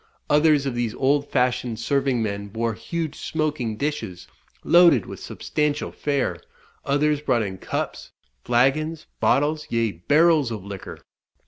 Others of these old fashioned serving men bore huge smoking dishes, loaded with substantial fare; others brought in cups, flagons, bottles, yea barrels of liquor.